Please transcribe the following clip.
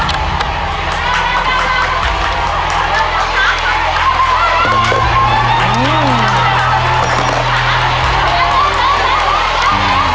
เร็วเร็วเร็ว